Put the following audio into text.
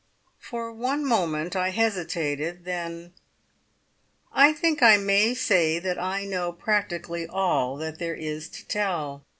For one moment I hesitated, then: "I think I may say that I know practically all that there is to tell."